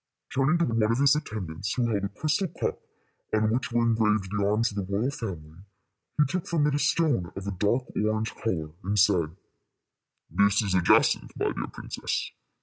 Turning to one of his attendants, who held a crystal cup on which were engraved the arms of the royal family, he took from it a stone of a dark orange color, and said, "This is a jacinth, my dear princess.